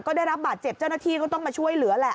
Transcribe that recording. ก็ได้รับบาดเจ็บเจ้าหน้าที่ก็ต้องมาช่วยเหลือแหละ